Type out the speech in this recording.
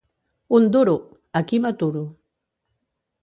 Un duro! Aquí m'aturo.